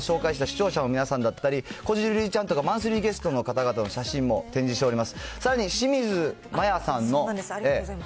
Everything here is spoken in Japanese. これまで紹介した視聴者の皆さんだったり、こじるりちゃんとかマンスリーゲストの方々の写真も展示しております。